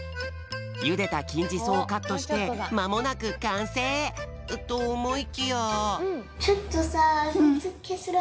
ゆでたきんじそうをカットしてまもなくかんせい！とおもいきや。